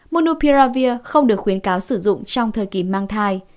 monopiravir không được khuyến cáo sử dụng trong thời kỳ mang thai